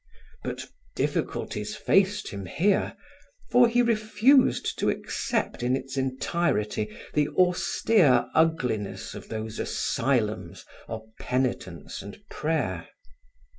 But difficulties faced him here, for he refused to accept in its entirety the austere ugliness of those asylums of penitence and prayer.